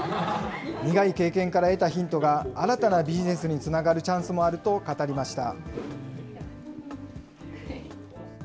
苦い経験から得たヒントが新たなビジネスにつながるチャンスもあると語りました。